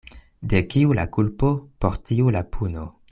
De kiu la kulpo, por tiu la puno.